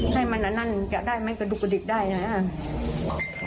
ให้มันอันนั้นจะได้ไหมกระดูกกระดิกได้นะ